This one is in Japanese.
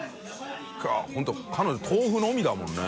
榲筿彼女豆腐のみだもんね。